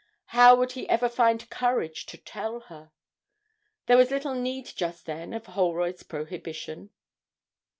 How would he ever find courage to tell her? There was little need just then of Holroyd's prohibition.